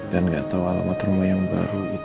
dan nggak tahu alamat rumah yang baru itu